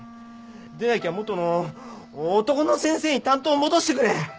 でなきゃ元の男の先生に担当を戻してくれ！